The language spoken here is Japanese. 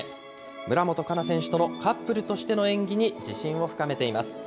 村元哉中選手とのカップルとしての演技に自信を深めています。